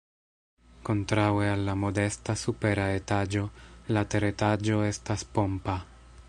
Kontraŭe al la modesta supera etaĝo la teretaĝo estas pompa.